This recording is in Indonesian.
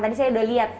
tadi saya udah lihat